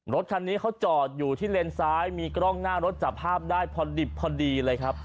รถคันนี้เขาจอดอยู่ที่เลนซ้ายมีกล้องหน้ารถจับภาพได้พอดิบพอดีเลยครับ